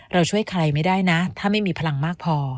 เราช่วยใครไม่ได้นะถ้าไม่มีพลังมากพอ